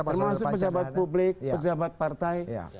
termasuk pejabat publik pejabat partai